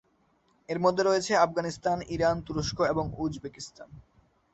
এর মধ্যে রয়েছে আফগানিস্তান, ইরান, তুরস্ক এবং উজবেকিস্তান।